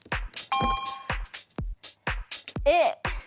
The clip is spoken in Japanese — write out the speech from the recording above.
Ａ。